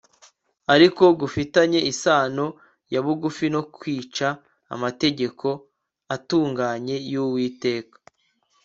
ariko gufitanye isano ya bugufi no kwica amategeko atunganye yUwiteka